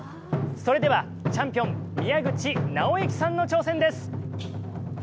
それではチャンピオン・宮口直之さんの挑戦です。